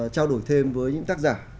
trao đổi thêm với những tác giả